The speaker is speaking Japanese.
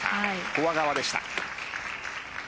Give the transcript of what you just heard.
フォア側でした。